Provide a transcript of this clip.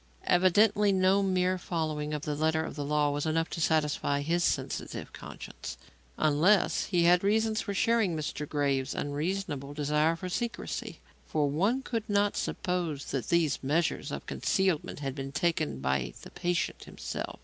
Evidently no mere following of the letter of the law was enough to satisfy his sensitive conscience. Unless he had reasons for sharing Mr. Graves's unreasonable desire for secrecy for one could not suppose that these measures of concealment had been taken by the patient himself.